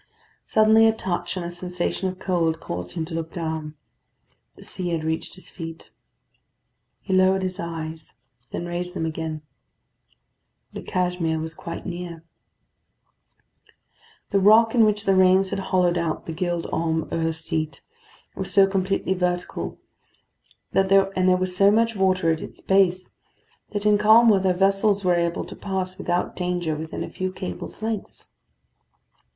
Suddenly a touch and a sensation of cold caused him to look down. The sea had reached his feet. He lowered his eyes, then raised them again. The Cashmere was quite near. The rock in which the rains had hollowed out the Gild Holm 'Ur seat was so completely vertical, and there was so much water at its base, that in calm weather vessels were able to pass without danger within a few cables' lengths.